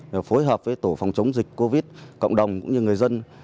rồi phối hợp với tổ phòng chống dịch covid cộng đồng cũng như người dân